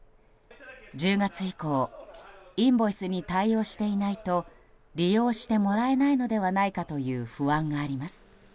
１０月以降インボイスに対応していないと利用してもらえないのではないかという不安があります。